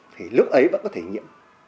thì lúc ấy vẫn có thể nhiễm